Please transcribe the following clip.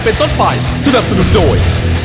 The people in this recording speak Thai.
เป็นต้นไปสนับสนุนโดย